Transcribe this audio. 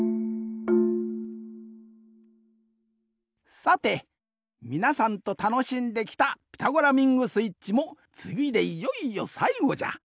さてみなさんとたのしんできた「ピタゴラミングスイッチ」もつぎでいよいよさいごじゃ。